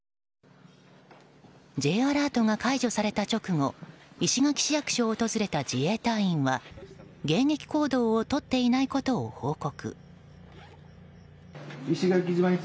Ｊアラートが解除された直後石垣市役所を訪れた自衛隊員は迎撃行動をとっていないことを報告。